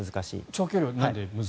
長距離はなんで。